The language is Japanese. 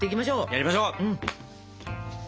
やりましょう。